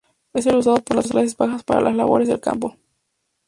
Es el usado por las clases bajas para las labores del campo.